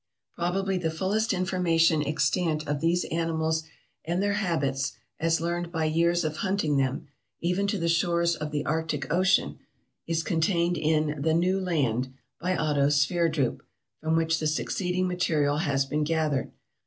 Probably the fullest information extant of these animals and their habits, as learned by years of hunting them, even to the shores of the Arctic Ocean, is contained in the "New Land," by Otto Sverdrup, from which the succeeding material has been gathered.